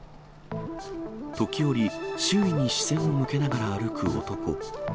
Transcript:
時折、周囲に視線を向けながら歩く男。